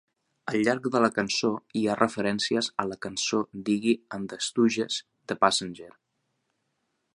Al llarg de la cançó hi ha referències a la cançó d'Iggy and the Stooges "The Passenger".